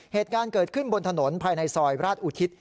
เหตุการณ์เกิดขึ้นบนถนนภายในซอยราชอุทิศ